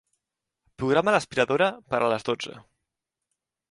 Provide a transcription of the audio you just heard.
Programa l'aspiradora per a les dotze.